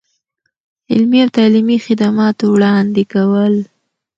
د علمي او تعلیمي خدماتو وړاندې کول.